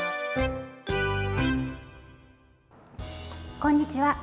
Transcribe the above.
こんにちは。